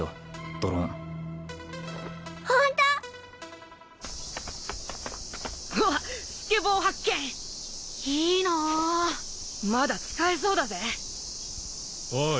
ドローンホント！？・おっスケボー発見いいなまだ使えそうだぜおい